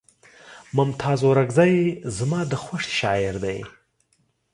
ممتاز اورکزے زما د خوښې شاعر دے